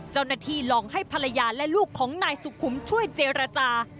เจ้าหน้าที่ลองให้ภรรยาและลูกของนายสุขุมช่วยเจรจา